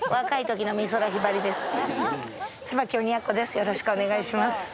よろしくお願いします。